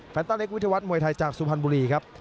แฟนตอนเอกวิทยาวัฒน์มวยไทยจากซุฟันบุรีครับ